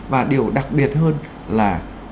và điều đặc biệt hơn là